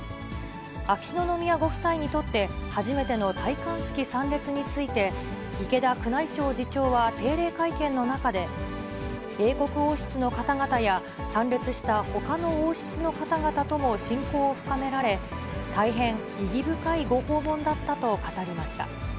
秋篠宮ご夫妻にとって、初めての戴冠式参列について、池田宮内庁次長は定例会見の中で、英国王室の方々や、参列したほかの王室の方々とも親交を深められ、大変、意義深いご訪問だったと語りました。